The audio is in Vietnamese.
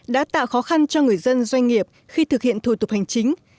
đã tạo khó khăn cho người dân doanh nghiệp khi thực hiện thủ tục hành chính